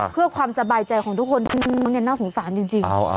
เพื่อความสบายใจของทุกคนที่น่าสงสารจริง